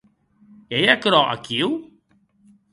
Ei aquerò aquiu?